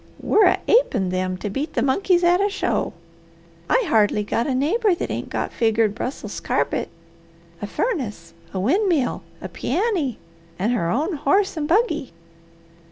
We're a apin' them to beat the monkeys at a show. I hardly got a neighbour that ain't got figgered Brissels carpet, a furnace, a windmill, a pianny, and her own horse and buggy.